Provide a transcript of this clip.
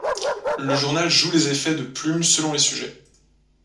Le journal joue les effets de plume selon les sujets.